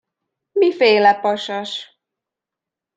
Miféle pasas?